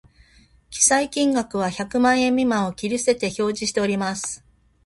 記載金額は百万円未満を切り捨てて表示しております